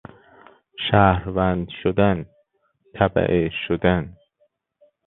شهروند شدن، تبعه شدن